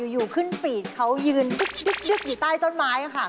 อยู่ขึ้นปีดเขายืนดึกอยู่ใต้ต้นไม้ค่ะ